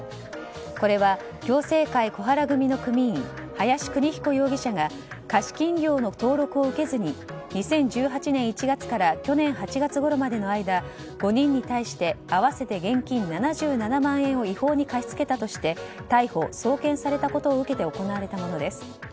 これは、共政会小原組の組員林邦彦容疑者が貸金業の登録を受けずに２０１８年１月から去年８月ごろまでの間５人に対して合わせて現金７７万円を違法に貸し付けたとして逮捕・送検されたことを受けて行われたものです。